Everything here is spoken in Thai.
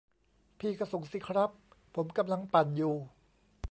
พี่ก็ส่งสิครับ ผมกำลังปั่นอยู่